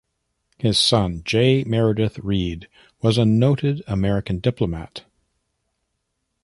His son, J. Meredith Read, was a noted American diplomat.